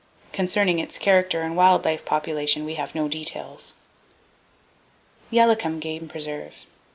Concerning its character and wild life population we have no details. Yalakom Game Preserve.